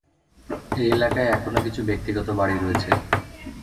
এই এলাকায় এখনও কিছু ব্যক্তিগত বাড়ি রয়েছে।